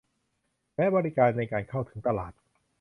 และบริการในการเข้าถึงตลาด